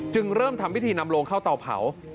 เริ่มทำพิธีนำโลงเข้าเตาเผา